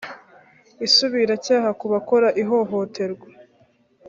isubiracyaha ku bakora ihohoterwa